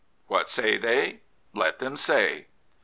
What say they? Let them say."